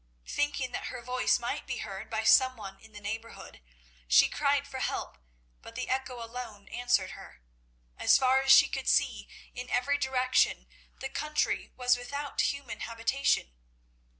Thinking that her voice might be heard by some one in the neighbourhood she cried for help, but the echo alone answered her. As far as she could see, in every direction the country was without human habitation.